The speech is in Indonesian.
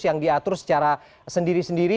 yang diatur secara sendiri sendiri